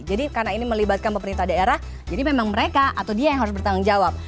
jadi karena ini melibatkan pemerintah daerah jadi memang mereka atau dia yang harus bertanggung jawab